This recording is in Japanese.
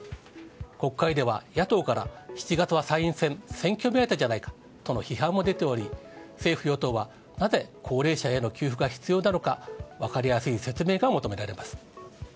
国会では野党から、７月は参院選、選挙目当てじゃないかとの批判も出ており、政府・与党はなぜ高齢者への給付が必要なのか、分かりやすい説明が求められます。